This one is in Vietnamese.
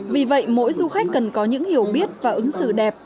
vì vậy mỗi du khách cần có những hiểu biết và ứng xử đẹp